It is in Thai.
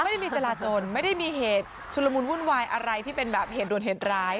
ไม่ได้มีจราจนไม่ได้มีเหตุชุลมุนวุ่นวายอะไรที่เป็นแบบเหตุด่วนเหตุร้าย